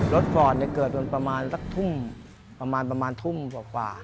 รถฟอร์ตเกิดวันประมาณทุ่มประมาณทุ่มกว่า